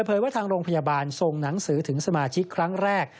ว่าทางโรงพยาบาลส่งหนังสือถึงสมาชิกครั้งแรก